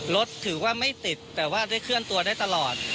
รถถือว่าไม่ติดแต่ว่าได้เคลื่อนตัวได้ตลอด